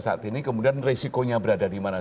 saat ini kemudian resikonya berada dimana